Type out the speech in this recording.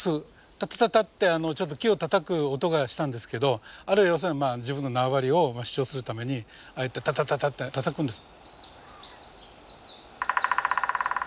タタタタってちょっと木をたたく音がしたんですけどあれは要するに自分の縄張りを主張するためにああやってタタタタってたたくんです。